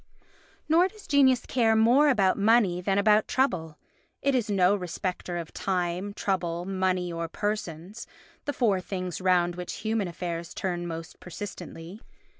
Nor does genius care more about money than about trouble. It is no respecter of time, trouble, money or persons, the four things round which human affairs turn most persistently.